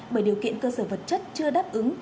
bởi điều kiện cơ sở vật chất chưa đáp ứng